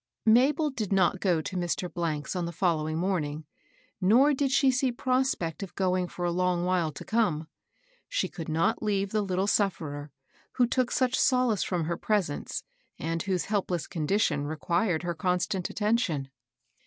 Mabel did not go to Mr. 's on the follow ing morning, nor did she see prospect of going for a long while to come. She could not leave the Kt tle sufferer, who took such solace from her pres ence, and whose helpless condition required her constant attention.